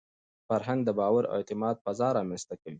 فرهنګ د باور او اعتماد فضا رامنځته کوي.